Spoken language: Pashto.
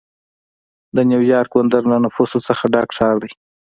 د نیویارک بندر له نفوسو څخه ډک ښار دی.